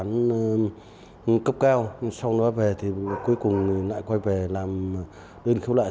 đoán cấp cao sau đó về thì cuối cùng lại quay về làm đơn khấu lại